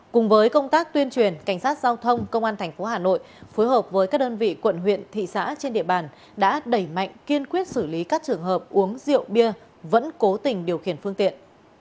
cùng với công tác tuyên truyền cảnh sát giao thông công an tp hà nội phối hợp với các đơn vị quận huyện thị xã trên địa bàn đã đẩy mạnh kiên quyết xử lý các trường hợp uống rượu bia vẫn cố tình điều khiển phương tiện